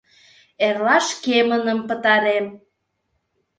Эрла шкемыным пытарем.